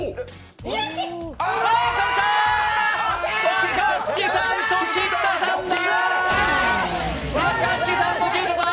若槻さんと、菊田さんだ！